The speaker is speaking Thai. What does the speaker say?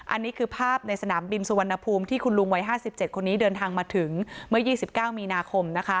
อันนี้คือภาพในสนามบินสุวรรณภูมิที่คุณลุงวัย๕๗คนนี้เดินทางมาถึงเมื่อ๒๙มีนาคมนะคะ